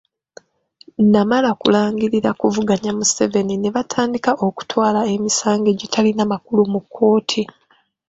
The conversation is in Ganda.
Namala kulangirira kuvuganya Museveni ne batandika okutwala emisango egitalina makulu mu kkooti.